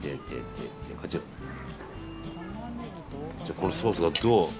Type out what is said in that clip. このソースが、どう。